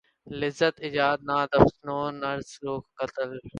لذت ایجاد ناز افسون عرض ذوق قتل